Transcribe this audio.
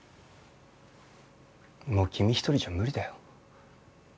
もう君一人じゃ無理だよ。